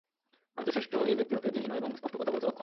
আমি তো শ্রেষ্ঠ এই ব্যক্তি হতে, যে হীন এবং স্পষ্ট কথা বলতেও অক্ষম।